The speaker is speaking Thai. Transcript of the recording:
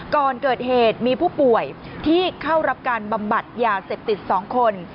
ก่อนเกิดเหตุมีผู้ป่วยที่เข้ารับการบำบัดยาเสพติด๒คน